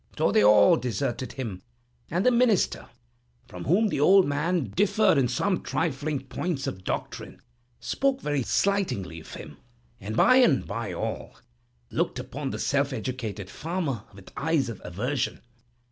So they all deserted him, and the minister, from whom the old man differed in some trifling points of doctrine, spoke very slightingly of him; and by and by all looked upon the self educated farmer with eyes of aversion.